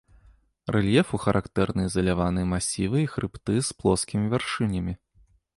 Рэльефу характэрны ізаляваныя масівы і хрыбты з плоскімі вяршынямі.